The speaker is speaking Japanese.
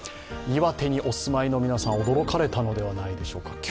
岩手におすまいの皆さん、驚かれたのではないでしょうか。